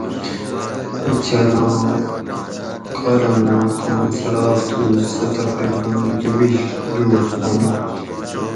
اِینچھلاں کالاماں کاں څڑاک تُھو سہ تقریباً دوُ بِیش دوس بن آش